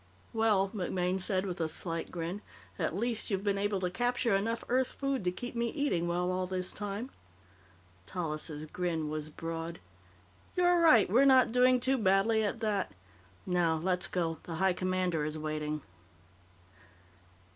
"Well," MacMaine said with a slight grin, "at least you've been able to capture enough Earth food to keep me eating well all this time." Tallis' grin was broad. "You're right. We're not doing too badly at that. Now, let's go; the High Commander is waiting."